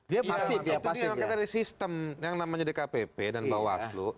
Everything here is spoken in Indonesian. itu memang dari sistem yang namanya di kpp dan bawaslu